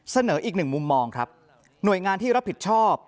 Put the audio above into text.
เสนออีกหนึ่งมุมมองครับหน่วยงานที่รับผิดชอบ